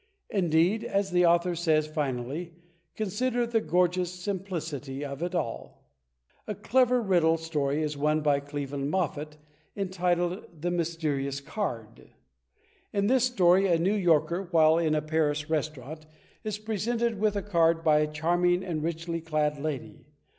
Indeed, as the author says, finally: "Consider the gorgeous simplicity of it all." A clever Riddle Story is one by Cleveland Moffett, en titled "The Mysterious Card." In this story, a New Yorker, while in a Paris restaurant, is presented with a card by a charming and richly clad lady.